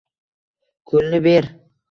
ko’lni ber